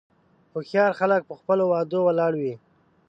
هوښیار خلک په خپلو وعدو ولاړ وي.